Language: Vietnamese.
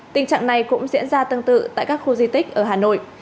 tình trạng này cũng diễn ra tương tự tại các khu di tích ở hà nội